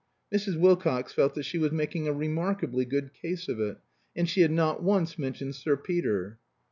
Mrs. Wilcox felt that she was making a remarkably good case of it. And she had not once mentioned Sir Peter.